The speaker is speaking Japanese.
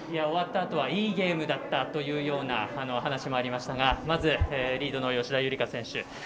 終わったあとはいいゲームだったという話もありましたがまずリードの吉田夕梨花選手